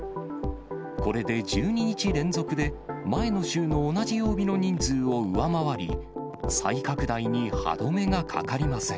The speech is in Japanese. これで１２日連続で前の週の同じ曜日の人数を上回り、再拡大に歯止めがかかりません。